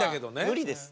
無理です。